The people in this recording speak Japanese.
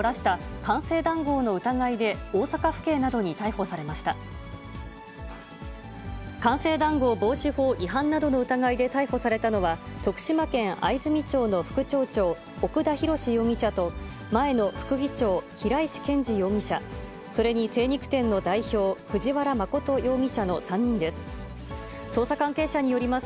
官製談合防止法違反などの疑いで逮捕されたのは、徳島県藍住町の副町長、奥田浩志容疑者と、前の副議長、平石賢治容疑者、それに精肉店の代表、藤原誠容疑者の３人です。